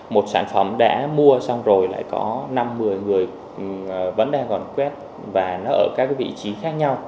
một sản phẩm đã mua xong rồi lại có năm một mươi người vẫn đang còn quét và nó ở các vị trí khác nhau